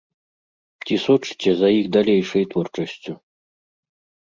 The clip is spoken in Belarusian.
Ці сочыце за іх далейшай творчасцю?